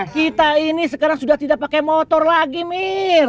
kita ini sekarang sudah tidak pakai motor lagi mir